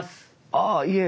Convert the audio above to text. ああいえ。